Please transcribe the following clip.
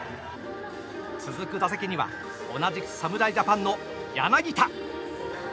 続く打席には同じく侍ジャパンの柳田。